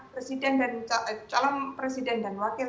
presiden dan calon presiden dan wakil